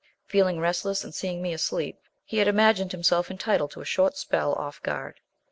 Feeling restless and seeing me asleep, he had imagined himself entitled to a short spell off guard.